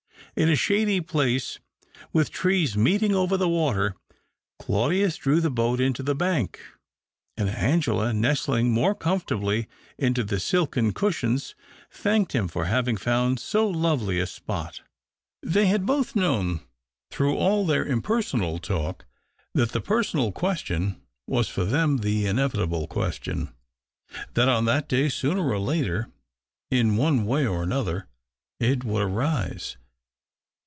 In a shady place, with rees meeting over the w^ater, Claudius drew he boat into the bank, and Angela, nestling lore comfortably into the silken cushions, hanked him for having found so lovely a spot. They had both known through all their im lersonal talk that the personal question was 3r them the inevitable question — that on that ay, sooner or later, in one way or another, it ,^ould arise.